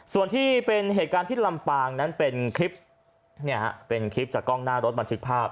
ส่วนที่เป็นเหตุการณ์ที่ลำปางนั้นเป็นคลิปเป็นคลิปจากกล้องหน้ารถบันทึกภาพ